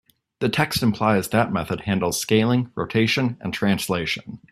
The text implies that method handles scaling, rotation, and translation.